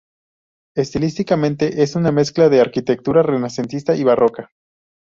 Estilísticamente, es una mezcla de arquitectura renacentista y barroca.